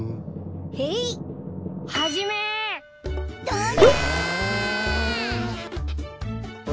どりゃ！